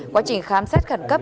quá trình khám xét khẩn cấp